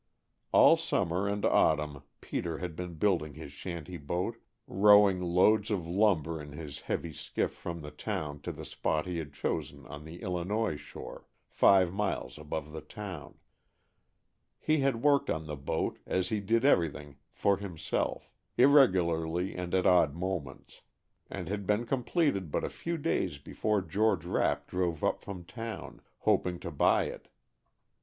All summer and autumn Peter had been building his shanty boat, rowing loads of lumber in his heavy skiff from the town to the spot he had chosen on the Illinois shore, five miles above the town. He had worked on the boat, as he did everything for himself, irregularly and at odd moments, and the boat had been completed but a few days before George Rapp drove up from town, hoping to buy it.